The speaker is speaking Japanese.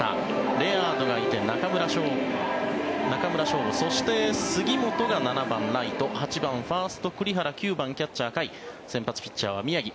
レアードがいて中村奨吾そして杉本が７番ライト８番ファースト、栗原９番キャッチャー、甲斐先発ピッチャーは宮城。